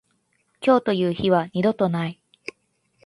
今日という日は二度とない。